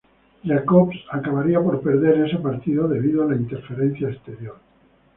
Jacobs acabaría por perder ese partido debido a la interferencia exterior.